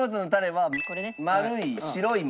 はい。